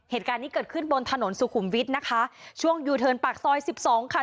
เหตุการณ์นี้เกิดขึ้นบนถนนสุขุมวิทย์นะคะช่วงยูเทิร์นปากซอยสิบสองค่ะ